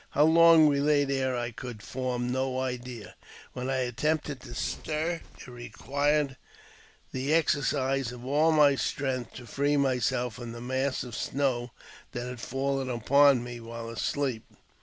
How long we lay there I could form no idea. When I attempted to stir, it required the exercise of all my strength to free myself from the mass of snow that had fallen upon me while asleep.